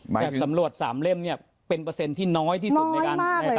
แบบสำรวจ๓เล่มเนี่ยเป็นเปอร์เซ็นต์ที่น้อยที่สุดในการ